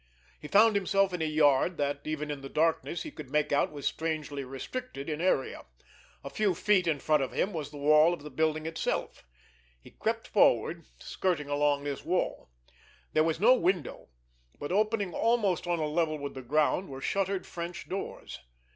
He found himself in a yard that, even in the darkness, he could make out was strangely restricted in area. A few feet in front of him was the wall of the building itself. He crept forward, skirting along this wall. There was no window, but opening almost on a level with the ground were shuttered French doors.